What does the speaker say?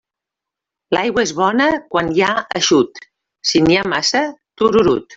L'aigua és bona quan hi ha eixut; si n'hi ha massa, tururut.